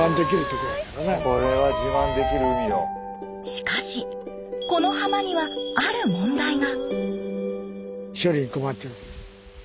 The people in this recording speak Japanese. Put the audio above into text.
しかしこの浜にはある問題が！